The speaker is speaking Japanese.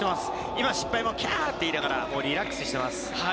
今、失敗もきゃっ！と言いながらリラックスしています。